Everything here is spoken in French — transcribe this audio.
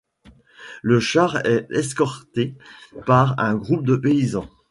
Le char est escorté par un groupe de paysans.